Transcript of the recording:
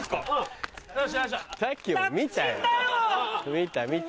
見た見た。